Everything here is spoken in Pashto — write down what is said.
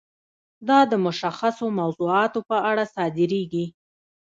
دا د مشخصو موضوعاتو په اړه صادریږي.